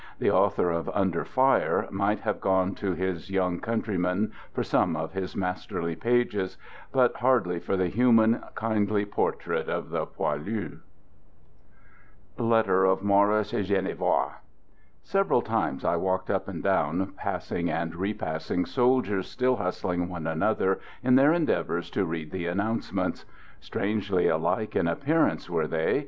The au thor of " Under Fire " might have gone to his young countryman for some of his masterly pages; but hardly for the human, kindly portrait of the poilu. Several times I walked up and down, passing and 1 repassing soldiers still hustling one another in their endeavors to read the announcements. Strangely alike in appearance were they.